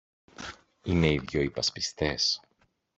Είναι οι δυο υπασπιστές